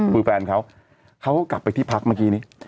คือแฟนเขาเขาก็กลับไปที่พักเมื่อกี้นี้